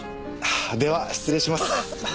では失礼します。